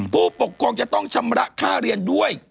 ผู้ปกครองจะต้องชำระค่าเรียนด้วย